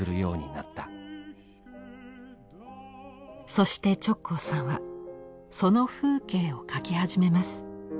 そして直行さんはその風景を描き始めます。